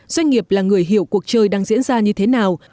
doanh nghiệp là người hiểu cuộc chơi đang diễn ra như thế nào